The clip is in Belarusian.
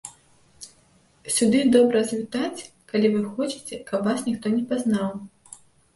Сюды добра завітаць, калі вы хочаце, каб вас ніхто не пазнаў.